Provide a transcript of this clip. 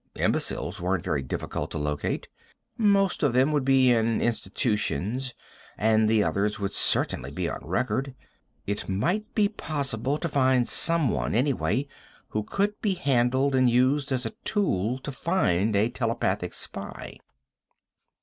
Imbeciles weren't very difficult to locate. Most of them would be in institutions, and the others would certainly be on record. It might be possible to find someone, anyway, who could be handled and used as a tool to find a telepathic spy.